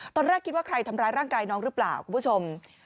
ตอนแรกคิดว่าใครทำร้ายร่างกายน้องหรือเปล่าคุณผู้ชม